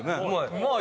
うまい！